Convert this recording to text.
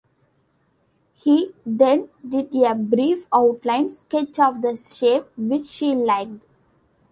He then did a brief outline sketch of the shape, which she liked.